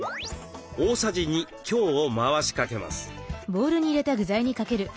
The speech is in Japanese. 大さじ２強を回しかけます。